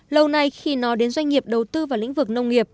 lâu nay khi nói đến doanh nghiệp đầu tư vào lĩnh vực nông nghiệp